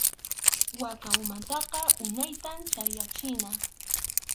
Waka umantaqa unaytam chhallchachina.